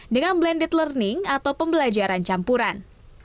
dengan blended learning atau pembelajaran campuran